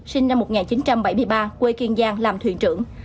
sinh năm một nghìn chín trăm bảy mươi ba quê kiên giang làm thuyền trưởng